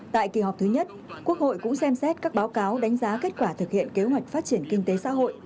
tại kỳ họp thứ nhất quốc hội cũng xem xét các báo cáo đánh giá kết quả thực hiện kế hoạch phát triển kinh tế xã hội